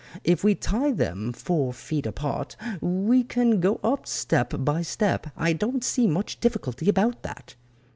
If we tie them four feet apart we can go up step by step; I don't see much difficulty about that."